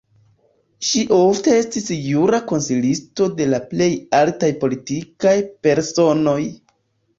Ŝi ofte estis jura konsilisto de la plej altaj politikaj personoj.